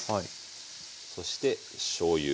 そしてしょうゆ。